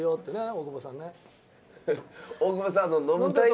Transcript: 大久保さん。